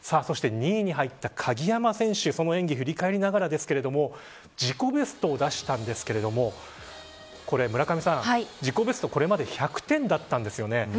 ２位に入った鍵山選手その演技、振り返りながらですが自己ベストを出したんですけれども村上さん、自己ベストこれまで１００点だったんですよね。